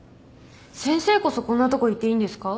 先生こそこんなとこいていいんですか？